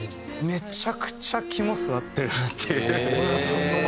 めちゃくちゃ肝据わってるなっていう。